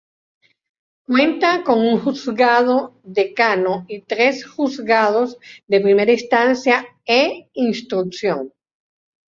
Cuenta con un Juzgado Decano y tres juzgados de Primera Instancia e Instrucción.